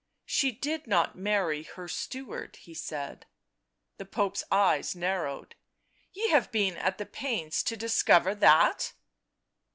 " She did not marry her steward," he said The Pope's eyes narrowed. " Ye have been at the pains to discover that?"